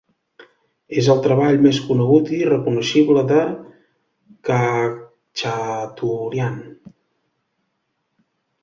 És el treball més conegut i reconeixible de Khachaturian.